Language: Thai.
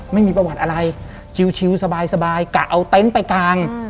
ไม่มีประวัติอะไรชิวสบายกะเอาเต็นต์ไปกาง